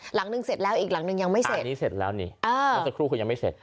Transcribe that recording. หลังหนึ่งเสร็จแล้วอีกหลังหนึ่งยังไม่เสร็จ